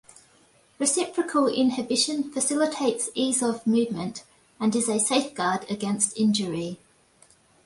Reciprocal inhibition facilitates ease of movement and is a safeguard against injury.